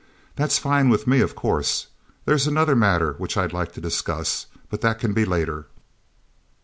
That's fine with me, of course. There's another matter which I'd like to discuss, but that can be later."